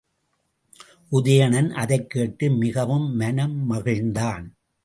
உதயணன் அதைக் கேட்டு மிகவும் மனமகிழ்ந்தான்.